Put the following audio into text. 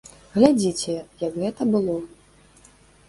Глядзіце, як гэта было.